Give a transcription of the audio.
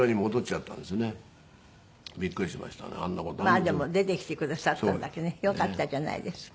まあでも出てきてくださっただけねよかったじゃないですか。